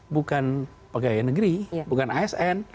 bukan pegawai negeri bukan asn